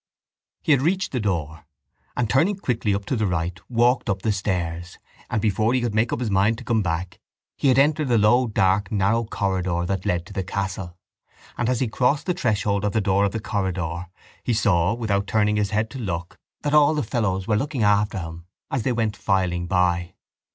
He had reached the door and, turning quickly up to the right, walked up the stairs; and, before he could make up his mind to come back, he had entered the low dark narrow corridor that led to the castle. And as he crossed the threshold of the door of the corridor he saw, without turning his head to look, that all the fellows were looking after him as they went filing by.